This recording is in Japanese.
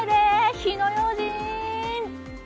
火の用心！